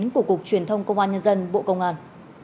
của cục truyền thông công an nhân dân bộ công an